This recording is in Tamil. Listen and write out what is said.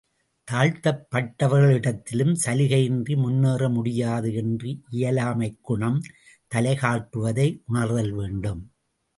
தாழ்த்தப்பட்டவர்களிடத்திலும் சலுகை இன்றி முன்னேற முடியாது என்ற இயலாமைக் குணம் தலை காட்டுவதை உணர்தல் வேண்டும்.